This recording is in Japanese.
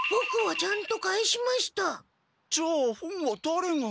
じゃあ本はだれが？